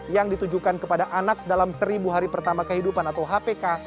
yang ditujukan kepada anak dalam seribu hari pertama kehidupan atau hpk